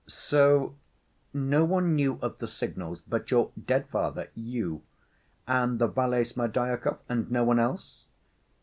"So no one knew of the signals but your dead father, you, and the valet Smerdyakov? And no one else?"